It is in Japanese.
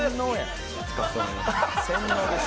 「洗脳です」